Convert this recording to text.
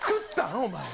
お前。